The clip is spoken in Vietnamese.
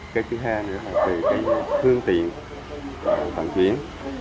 cái thứ hai là hướng tiện bằng chuyển